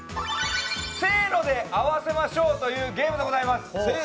「せーの！で合わせましょう」というゲームでございます。